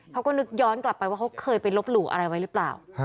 เขาก็นึกย้อนกลับไปว่าเขาเคยไปลบหลู่อะไรไว้หรือเปล่า